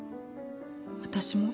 私も。